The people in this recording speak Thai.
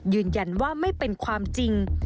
ยืนยันว่าไม่เป็นความจริง